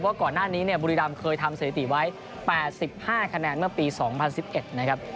ก่อนหน้านี้เนี่ยบุรีรำเคยทำสถิติไว้๘๕คะแนนเมื่อปี๒๐๑๑นะครับ